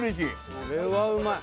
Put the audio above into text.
これはうまい。